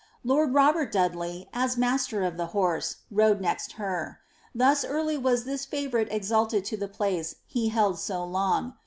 Lord Robert Dudley, as master of the horse, rode next her ; thus early was this favourite exalted to the place he held so long.